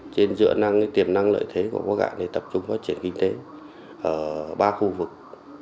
trên dựa năng tiềm năng lợi thế của bắc cạn thì tập trung phát triển kinh tế ở ba khu vực